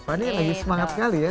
fadinya lagi semangat kali ya